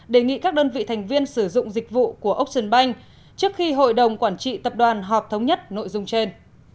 đề nghị các đơn vị thành viên sử dụng dịch vụ của ốc sơn banh trước khi hội đồng quản trị tập đoàn họp thống nhất nội dung trên